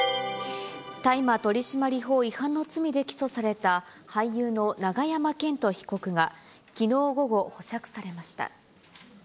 大麻取締法違反の罪で起訴された俳優の永山絢斗被告が、きのう午後、保釈されました。